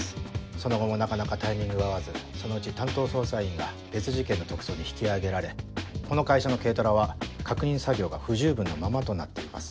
その後もなかなかタイミングが合わずそのうち担当捜査員が別事件の特捜に引き上げられこの会社の軽トラは確認作業が不十分なままとなっています。